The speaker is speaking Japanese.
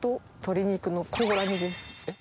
えっ。